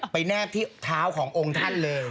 แนบที่เท้าขององค์ท่านเลย